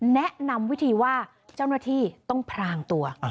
แนะนำวิธีว่าเจ้าหน้าที่ต้องพรางตัว